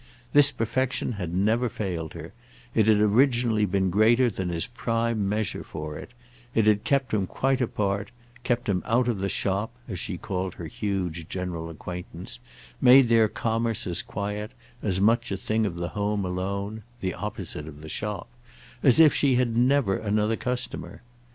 This perfection had never failed her; it had originally been greater than his prime measure for it; it had kept him quite apart, kept him out of the shop, as she called her huge general acquaintance, made their commerce as quiet, as much a thing of the home alone—the opposite of the shop—as if she had never another customer.